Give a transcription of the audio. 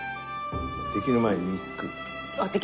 できる前に一句。